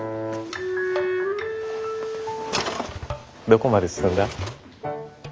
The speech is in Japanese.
どこまで進んだ？